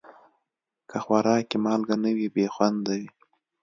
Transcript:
که خوراک کې مالګه نه وي، بې خوند وي.